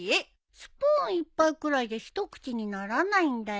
スプーン１杯くらいじゃ一口にならないんだよ。